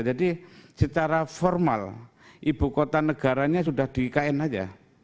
jadi secara formal ibu kota negaranya sudah di ikn saja